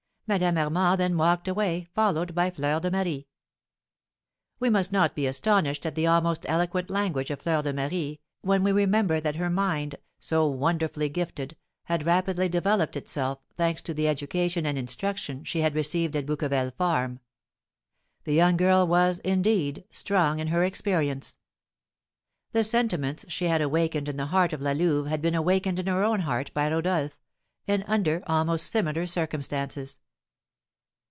Madame Armand then walked away, followed by Fleur de Marie. We must not be astonished at the almost eloquent language of Fleur de Marie, when we remember that her mind, so wonderfully gifted, had rapidly developed itself, thanks to the education and instruction she had received at Bouqueval farm. The young girl was, indeed, strong in her experience. The sentiments she had awakened in the heart of La Louve had been awakened in her own heart by Rodolph, and under almost similar circumstances.